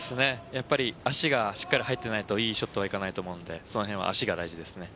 足がしっかり入っていないといいショットいかないと思うのでその辺は足が大事ですね。